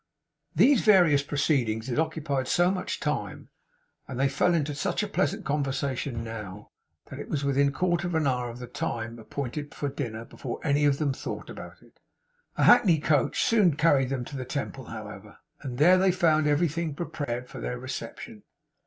These various proceedings had occupied so much time, and they fell into such a pleasant conversation now, that it was within a quarter of an hour of the time appointed for dinner before any of them thought about it. A hackney coach soon carried them to the Temple, however; and there they found everything prepared for their reception.